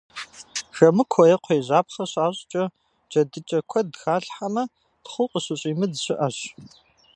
Жэмыкуэ е кхъуейжьапхъэ щащӏкӏэ джэдыкӏэ куэд халъхьэмэ, тхъу къыщыщӏимыдз щыӏэщ.